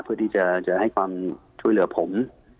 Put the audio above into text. เพื่อที่จะให้ความช่วยเหลือผม